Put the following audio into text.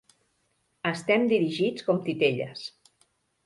Estem dirigits com titelles.